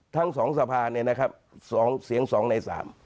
ทั้ง๒สภาเนี่ยนะครับ๒เสียง๒ใน๓